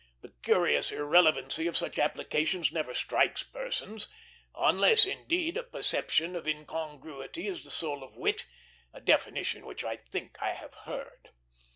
The curious irrelevancy of such applications never strikes persons; unless, indeed, a perception of incongruity is the soul of wit, a definition which I think I have heard.